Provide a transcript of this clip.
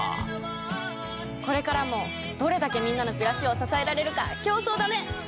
これからもどれだけみんなの暮らしを支えられるか競争だね！